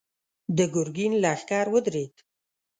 د ګرګين لښکر ودرېد.